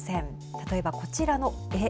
例えばこちらの絵。